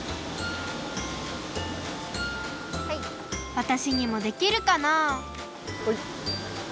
わたしにもできるかな？